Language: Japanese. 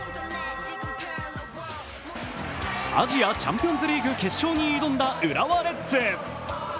アジアチャンピオンズリーグ決勝に挑んだ浦和レッズ。